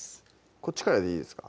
こっちからでいいですか？